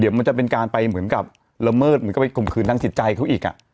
เดี๋ยวมันจะเป็นการไปเหมือนกับละเมิดเหมือนกับไปข่มขืนทางจิตใจเขาอีก